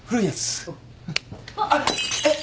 あっえっ。